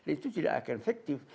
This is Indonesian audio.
itu tidak akan efektif